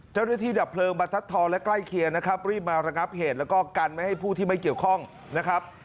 ดับเพลิงบรรทัศนทองและใกล้เคียงนะครับรีบมาระงับเหตุแล้วก็กันไม่ให้ผู้ที่ไม่เกี่ยวข้องนะครับ